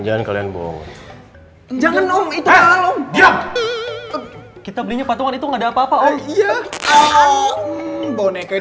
jangan kalian bohong jangan om itu kita belinya patungan itu enggak ada apa apa oh iya boneka